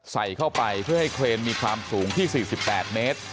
ใส่เข้าไปเพื่อให้เครนมีความสูงที่๔๘เมตร